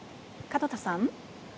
門田さん。